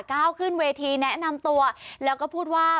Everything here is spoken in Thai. ก้าวขึ้นเวทีแนะนำตัวแล้วก็พูดว่า